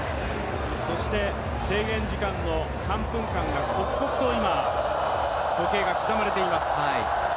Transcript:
制限時間の３分間が刻々と今時計が刻まれています。